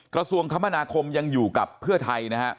กระทรวงคมนาคมยังอยู่กับเพื่อไทยนะฮะ